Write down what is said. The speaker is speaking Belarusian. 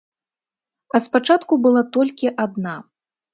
А спачатку была толькі адна.